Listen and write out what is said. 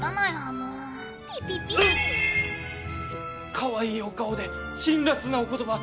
かわいいお顔で辛辣なお言葉。